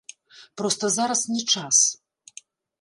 Проста зараз не час.